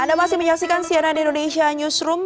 anda masih menyaksikan cnn indonesia newsroom